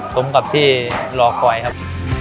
สมกับที่รอคอยครับ